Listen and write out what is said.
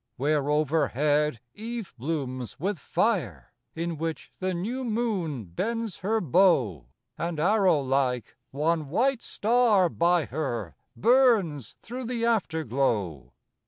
_ _Where, overhead, eve blooms with fire, In which the new moon bends her bow, And, arrow like, one white star by her Burns through the afterglow.